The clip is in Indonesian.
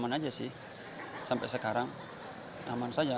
aman aja sih sampai sekarang aman saja